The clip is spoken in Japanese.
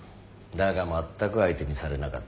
だがまったく相手にされなかった。